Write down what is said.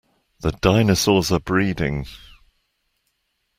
The dinosaurs are breeding!